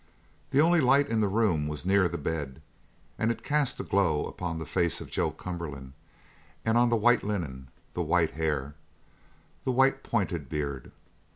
The only light in the room was near the bed and it cast a glow upon the face of Joe Cumberland and on the white linen, the white hair, the white, pointed beard.